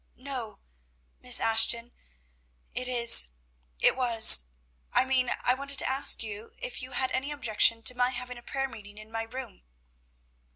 "No, Miss Ashton; it is it was I mean, I wanted to ask you if you had any objection to my having a prayer meeting in my room?"